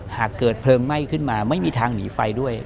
หากเกิดเพลิงไหม้ขึ้นมาไม่มีทางหนีไฟด้วย